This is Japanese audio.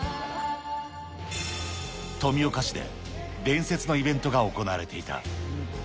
富岡市で、伝説のイベントが行われていた。